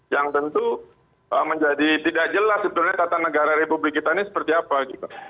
yang tentu menjadi tidak jelas sebetulnya tata negara republik kita ini seperti apa gitu